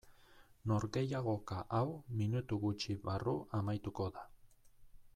Norgehiagoka hau minutu gutxi barru amaituko da.